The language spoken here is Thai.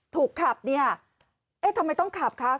ถูกขับเนี่ยเอ๊ะทำไมต้องขับคะ